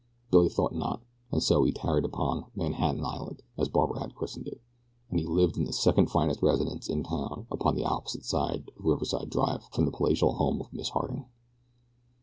Billy thought not, and so he tarried on upon "Manhattan Island," as Barbara had christened it, and he lived in the second finest residence in town upon the opposite side of "Riverside Drive" from the palatial home of Miss Harding.